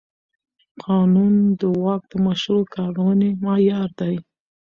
قانون د واک د مشروع کارونې معیار دی.